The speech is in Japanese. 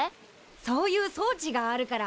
そういう装置があるから。